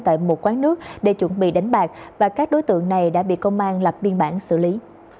tại một quán nước để chuẩn bị đánh bạc và các đối tượng này đã bị công an lập biên bản xử lý